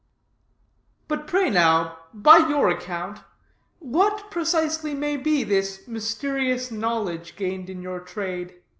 "But pray, now, by your account, what precisely may be this mysterious knowledge gained in your trade?